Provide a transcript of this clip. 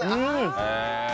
へえ！